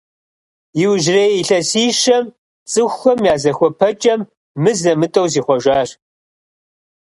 Иужьрей илъэсищэм цӏыхухэм я зыхуэпэкӏэм мызэ-мытӏэу зихъуэжащ.